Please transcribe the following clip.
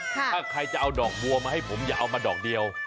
ถ้าใครจะเอาดอกบัวมาให้ผมอย่าเอามาดอกเดียว